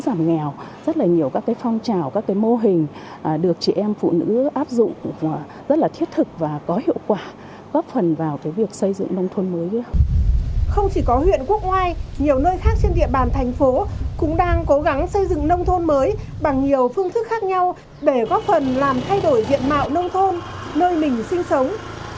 bằng nhiều phương thức khác nhau để góp phần làm thay đổi diện mạo nông thôn nơi mình sinh sống